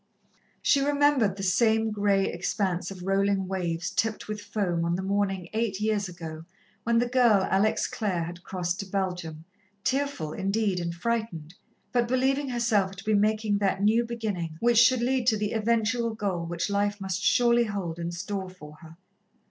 She remembered the same grey expanse of rolling waves tipped with foam on the morning, eight years ago, when the girl Alex Clare had crossed to Belgium, tearful, indeed, and frightened, but believing herself to be making that new beginning which should lead to the eventual goal which life must surely hold in store for her.